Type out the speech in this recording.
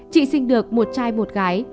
chị sinh được một trai một gái